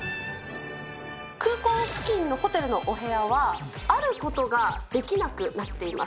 空港付近のホテルのお部屋は、あることができなくなっています。